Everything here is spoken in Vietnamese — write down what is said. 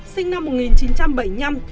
sinh năm một nghìn chín trăm bảy mươi năm